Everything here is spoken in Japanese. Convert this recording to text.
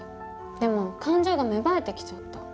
でも感情が芽生えてきちゃった。